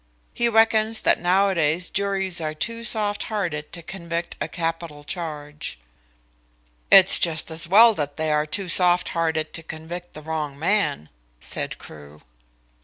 He reckons that nowadays juries are too soft hearted to convict on a capital charge." "It's just as well that they are too soft hearted to convict the wrong man," said Crewe.